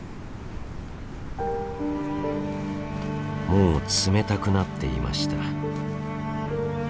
もう冷たくなっていました。